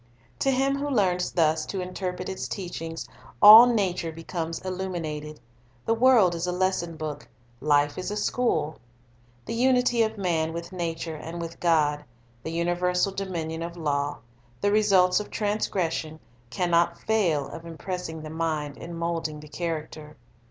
To him who learns thus to interpret its teachings, all nature becomes illuminated; the world is a lesson book, life a school. The unity of man with nature and with God, the universal dominion of law, the results of transgression, can not fail of impressing the mind and moulding the character.